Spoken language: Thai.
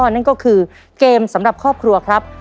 นั่นก็คือเกมสำหรับครอบครัวครับ